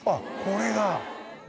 これが。